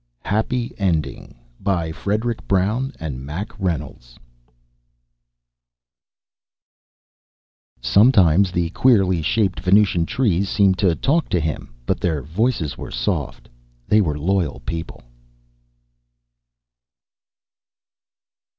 _ happy ending by MACK REYNOLDS and FREDRIC BROWN Sometimes the queerly shaped Venusian trees seemed to talk to him, but their voices were soft. They were loyal people.